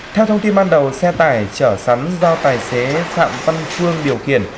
theo thông tin ban đầu xe tải chở sắn do tài xế phạm văn phương điều khiển